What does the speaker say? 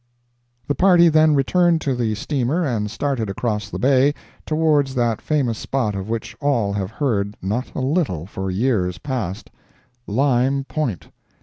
The party then returned to the steamer and started across the Bay towards that famous spot of which all have heard not a little for years past— LIME POINT.